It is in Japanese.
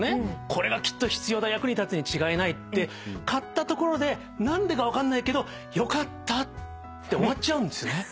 これがきっと必要だ役に立つに違いないって買ったところで何でか分かんないけどよかったって終わっちゃうんですよね。